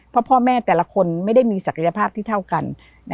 เพราะพ่อแม่แต่ละคนไม่ได้มีศักยภาพที่เท่ากัน